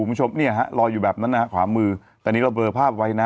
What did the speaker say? คุณผู้ชมเนี่ยฮะลอยอยู่แบบนั้นนะฮะขวามือแต่นี้เราเบอร์ภาพไว้นะ